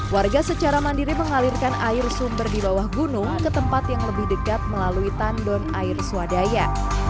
warga secara mandiri mengalirkan air sumber di bawah gunung ke tempat yang lebih dekat melalui tandon air swadaya